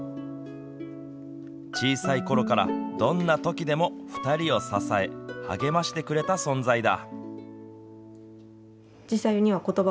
小さいころから、どんなときでも２人を支え励ましてくれた存在だ。